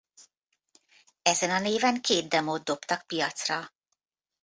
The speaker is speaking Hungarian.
Ezen a néven két demót dobtak piacra.